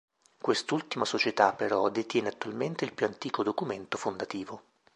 Quest'ultima società, però, detiene attualmente il più antico documento fondativo.